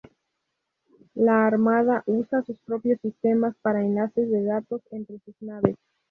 La Armada usa sus propios sistemas para enlaces de datos entre sus naves.